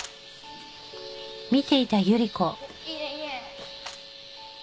いいねいいね。